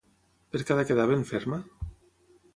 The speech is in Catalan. Per què ha de quedar ben ferma?